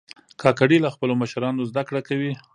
کاکړي له خپلو مشرانو زده کړه کوي.